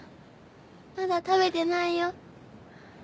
まだ食べてないよ。